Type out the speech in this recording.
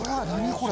これ。